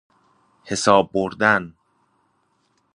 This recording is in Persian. حساب بردن